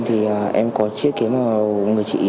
thì em có chiếc kiếm vào người chị ý